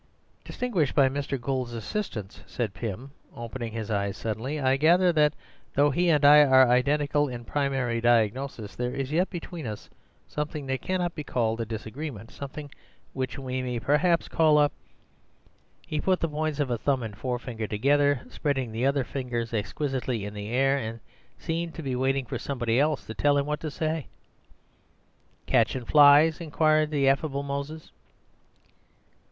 "Distinguished by Mr. Gould's assistance," said Pym, opening his eyes suddenly. "I gather that though he and I are identical in primary di agnosis there is yet between us something that cannot be called a disagreement, something which we may perhaps call a—" He put the points of thumb and forefinger together, spreading the other fingers exquisitely in the air, and seemed to be waiting for somebody else to tell him what to say. "Catchin' flies?" inquired the affable Moses.